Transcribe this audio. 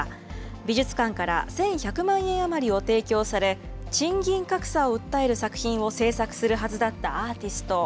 美術館から１１００万円余りを提供され、賃金格差を訴える作品を制作するはずだったアーティスト。